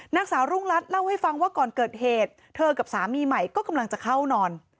นางสาวรุ่งรัฐเล่าให้ฟังว่าก่อนเกิดเหตุเธอกับสามีใหม่ก็กำลังจะเข้านอน